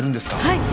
はい！